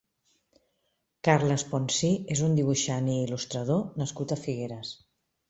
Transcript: Carles Ponsí és un dibuixant i il·lustrador nascut a Figueres.